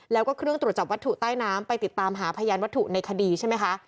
แล้วก็เครื่องตรวจจับวัตถุใต้น้ำไปติดตามหาพยานวัตถุในคดีใช่ไหมคะ